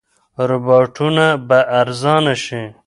روباټونه به ارزانه شي.